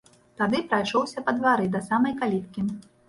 Тады прайшоўся па двары да самай каліткі.